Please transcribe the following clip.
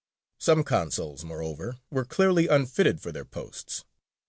Some consuls, moreover, were clearly unfitted for their posts.